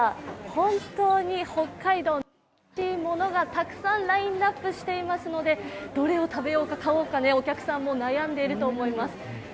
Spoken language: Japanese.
本当に北海道、おいしいものがたくさんラインナップしていますので、どれを食べようか、買おうか、お客さんも悩んでいると思います。